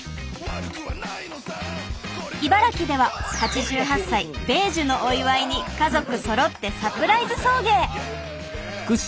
茨城では８８歳米寿のお祝いに家族そろってサプライズ送迎。